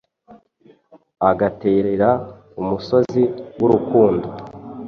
agaterera umusozi w'urukundo :